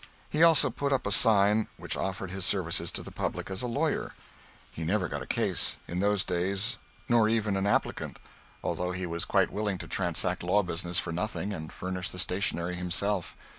He also put up a sign which offered his services to the public as a lawyer. He never got a case, in those days, nor even an applicant, although he was quite willing to transact law business for nothing and furnish the stationery himself.